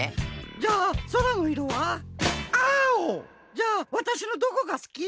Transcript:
じゃあわたしのどこが好き？